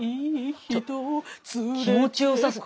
ちょ気持ちよさそう。